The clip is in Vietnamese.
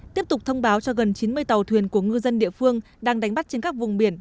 tiếp tục thông báo cho gần chín mươi tàu thuyền của ngư dân địa phương đang đánh bắt trên các vùng biển